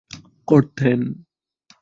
করতেন ।